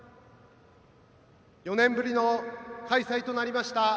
４年ぶりの開催となりました